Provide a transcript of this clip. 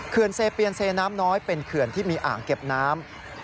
เซเปียนเซน้ำน้อยเป็นเขื่อนที่มีอ่างเก็บน้ำ